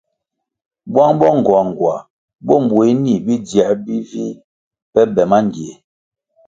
Bwang bo ngoangoa bo mbweh nih bidzioe bivih pe be mangie.